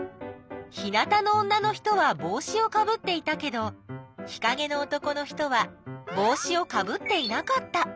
日なたの女の人はぼうしをかぶっていたけど日かげの男の人はぼうしをかぶっていなかった。